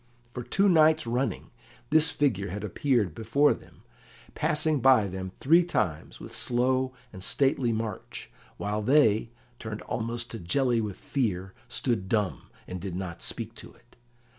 For two nights running this figure had appeared before them, passing by them three times with slow and stately march, while they, turned almost to jelly with fear, stood dumb, and did not speak to it.